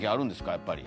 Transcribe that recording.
やっぱり。